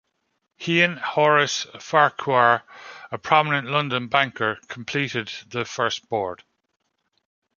He and Horace Farquhar, a prominent London banker, completed the first Board.